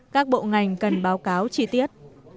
các bộ ngành cần báo cáo chi tiết